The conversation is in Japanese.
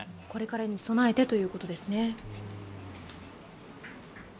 これからに備えてということですね。